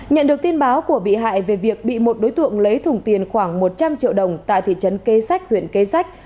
nhận được tin báo của bị hại về việc bị một đối tượng lấy thùng tiền khoảng một trăm linh triệu đồng tại thị trấn kế sách huyện kế sách